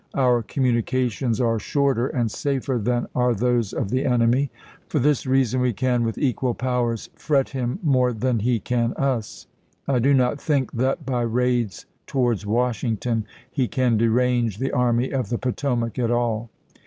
Our communi cations are shorter and safer than are those of the enemy. For this reason we can, with equal powers, fret him more than he can us. I do not think that by raids towards Washington he can derange the Army of the Potomac at all.